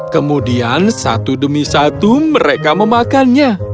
kemudian satu demi satu mereka memakannya